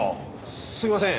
すいません。